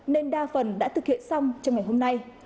nên đa phần đã thực hiện xong trong ngày hôm nay